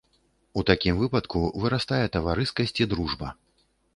У такім выпадку вырастае таварыскасць і дружба.